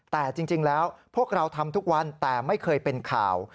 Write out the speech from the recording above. แต่จริงแล้วพวกเราทำทุกวันแต่ไม่เคยเป็นข่าว